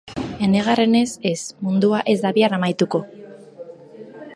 Enegarrenez, ez, mundua ez da bihar amaituko.